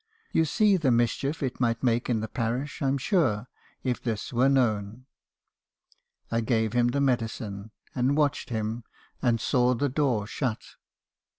You see the mischief it might make in the parish, I 'm sure, if this were known.' "I gave him the medicine , and watched him in, and saw the door shut.